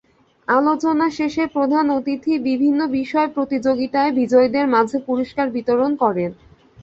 আলোচনা শেষে প্রধান অতিথি বিভিন্ন বিষয়ে প্রতিযোগিতায় বিজয়ীদের মাঝে পুরস্কার বিতরণ করেন।